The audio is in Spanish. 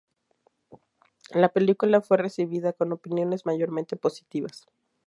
La película fue recibida con opiniones mayormente positivas.